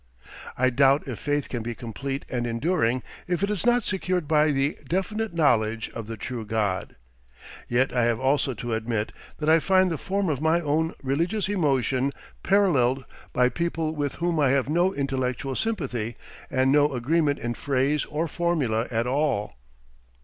I doubt if faith can be complete and enduring if it is not secured by the definite knowledge of the true God. Yet I have also to admit that I find the form of my own religious emotion paralleled by people with whom I have no intellectual sympathy and no agreement in phrase or formula at all.